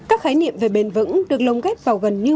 các khái niệm về bền vững được lồng ghép vào gần như